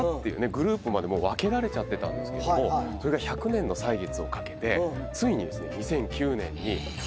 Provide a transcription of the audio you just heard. グループまでもう分けられちゃってたんですけどもはいはいそれが１００年の歳月をかけてついにですね